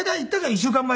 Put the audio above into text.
１週間前に」。